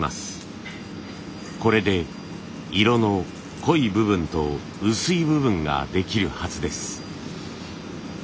これで色の濃い部分と薄い部分ができるはずです。